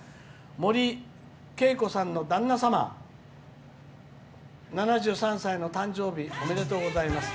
「もりけいこさんの旦那様７３歳の誕生日おめでとうございます」。